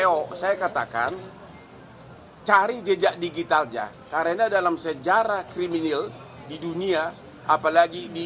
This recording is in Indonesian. ayo saya katakan cari jejak digitalnya karena dalam sejarah kriminal di dunia apalagi di